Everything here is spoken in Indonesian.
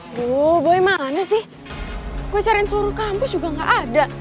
tuh boy manis sih gue cariin seluruh kampus juga gak ada